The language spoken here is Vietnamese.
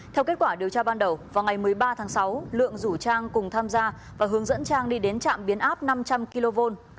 theo kết quả điều tra ban đầu vào ngày một mươi ba tháng sáu lượng rủ trang cùng tham gia và hướng dẫn trang đi đến trạm biến áp năm trăm linh kv